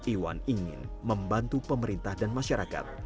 iwan ingin membantu pemerintah dan masyarakat